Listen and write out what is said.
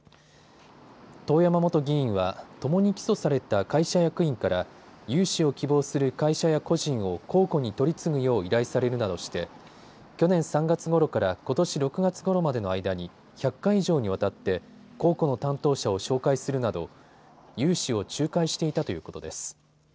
遠山元議員は共に起訴された会社役員から融資を希望する会社や個人を公庫に取り次ぐよう依頼されるなどして去年３月ごろからことし６月ごろまでの間に１００回以上にわたって公庫の担当者を紹介するなど融資を仲介していたということです。